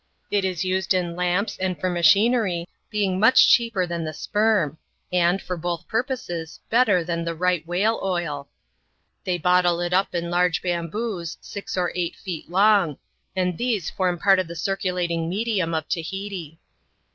It is used in lamps and for machinery, being much cheaper than the sperm, and, for both purposes, better than the right whale oil. They bottle it up in large bamboos, six or eight feet long ; and these form part of the circulating medium of Tahiti.